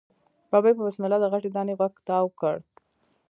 ببۍ په بسم الله د غټې دانی غوږ تاو کړ.